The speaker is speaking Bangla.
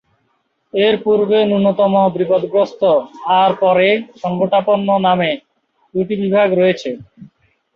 এর পূর্বে ন্যূনতম বিপদগ্রস্ত আর পরে সংকটাপন্ন নামে দুটি বিভাগ রয়েছে।